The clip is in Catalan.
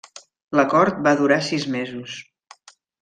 L'acord va durar sis mesos.